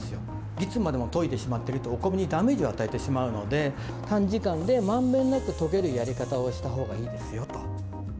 いつまでも研いでしまっていると、お米にダメージを与えてしまうので、短時間でまんべんなく研げるやり方をした方がいいですよと。